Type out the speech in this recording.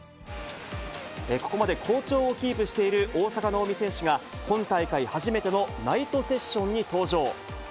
ここまで好調をキープしている大坂なおみ選手が、今大会初めてのナイトセッションに登場。